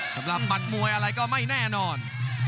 สำหรับมัดมวยอะไรก็ไม่แน่นอน